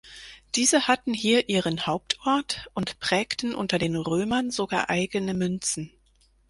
Diese hatten hier ihren Hauptort und prägten unter den Römern sogar eigene Münzen.